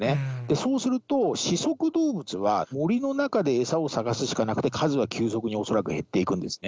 そうすると、四足動物は、森の中で餌を探すしかなくて、数が急速に恐らく減っていくんですね。